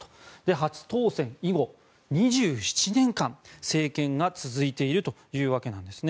初当選以後２７年間政権が続いているというわけなんですね。